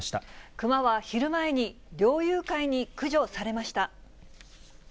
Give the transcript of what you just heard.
クマは昼前に猟友会に駆除されました。